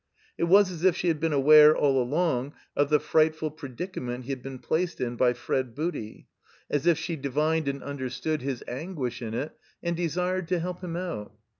It was as if she had been aware all along of the frightful predicament he had been placed in by Fred Booty; as if she divined and tmderstood his anguish in it and desired to help him out.